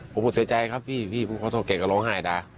ผมก็เสียใจครับพี่พี่ผมขอโทษแกก็ร้องไห้ด่า